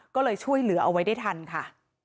ก็เลยช่วยเหลือเอาไว้ได้ทันค่ะ